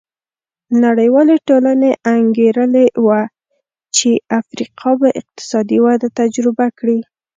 نړیوالې ټولنې انګېرلې وه چې افریقا به اقتصادي وده تجربه کړي.